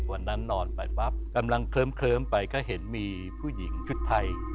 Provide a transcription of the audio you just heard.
นอนไปปั๊บกำลังเคลิ้มไปก็เห็นมีผู้หญิงชุดไทย